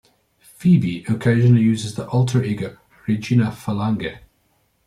Phoebe occasionally uses the alter ego Regina Phalange.